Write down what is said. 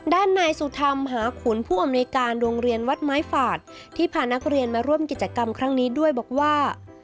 ด้านนายสุธรรมหาขุนผู้อำนวยการโรงเรียนวัดไม้ฝาดที่พานักเรียนมาร่วมกิจกรรมครั้งนี้ด้วยบอกว่า